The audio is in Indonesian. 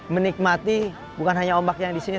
menikmati bukan hanya ombak yang di sini